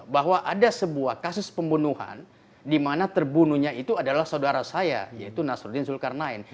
bahwa ada sebuah kasus pembunuhan di mana terbunuhnya itu adalah saudara saya yaitu nasruddin zulkarnain